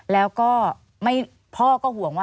แล้วก็พ่อก็ห่วงว่า